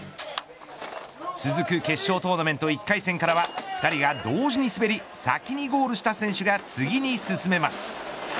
続く決勝トーナメント１回からは２人が同時に滑り先にゴールした選手が次に進めます。